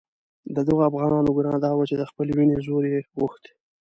د دغو افغانانو ګناه دا وه چې د خپلې وینې زور یې غوښت.